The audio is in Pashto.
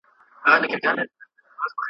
د زده کړې لپاره ملي پروګرامونه پلي شي.